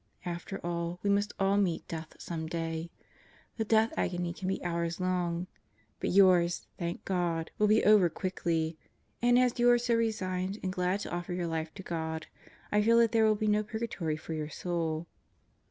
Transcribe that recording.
After all, we must all meet death some day. The death agony can be hours long. But yours, thank God, will be over quickly. And as you are so resigned and glad to offer your life to God, I feel that there will be no purgatory for your soul.